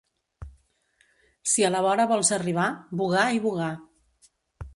Si a la vora vols arribar, vogar i vogar.